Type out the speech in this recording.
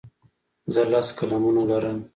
زه لس قلمونه لرم.